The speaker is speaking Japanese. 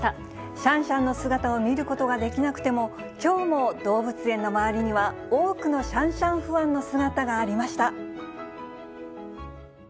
シャンシャンの姿を見ることができなくても、きょうも動物園の周りには多くのシャンシャンファンの姿がありました。